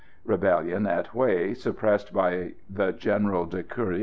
Rebellion at Hué suppressed by the General de Courcy.